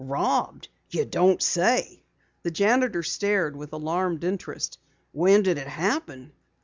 "Robbed! You don't say!" The janitor stared with alarmed interest. "When did it happen?"